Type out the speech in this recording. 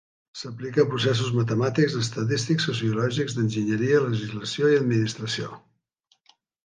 S'aplica a processos matemàtics, estadístics, sociològics, d'enginyeria, legislació i administració.